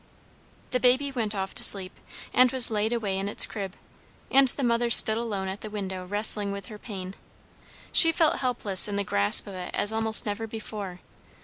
The baby went off to sleep, and was laid away in its crib, and the mother stood alone at the window wrestling with her pain. She felt helpless in the grasp of it as almost never before.